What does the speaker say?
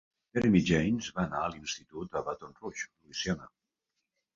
Jeremy Jaynes va anar a l'institut a Baton Rouge, Louisiana.